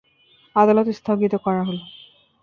আদালত স্থগিত করা হলো।